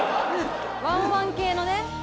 ワンワン系のね。